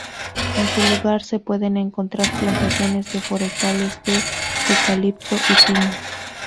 En su lugar se pueden encontrar plantaciones de forestales de eucalipto y pino.